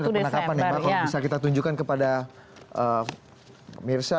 ini surat penangkapan ya mbak kalau bisa kita tunjukkan kepada mirsa